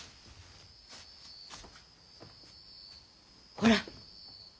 ほら。